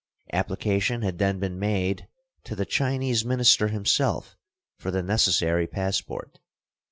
Application had then been made to the Chinese minister himself for the necessary passport.